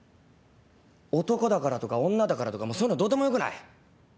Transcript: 男だからとか女だからとかもうそういうのどうでもよくない？